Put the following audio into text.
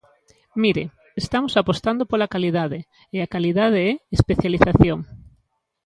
Mire, estamos apostando pola calidade, e a calidade é especialización.